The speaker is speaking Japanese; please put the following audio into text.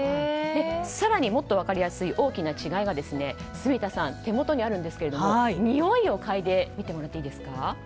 更にもっと分かりやすい大きな違いは住田さん、手元にあるんですけど匂いを嗅いでみてもらっていいですか？